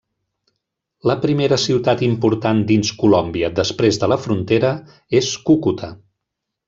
La primera ciutat important dins Colòmbia després de la frontera és Cúcuta.